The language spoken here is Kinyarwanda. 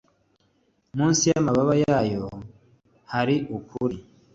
munsi y amababa yabo hari ukuri